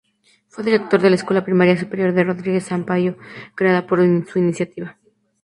Fue director de la Escuela Primaria Superior de Rodrigues Sampaio, creada por su iniciativa.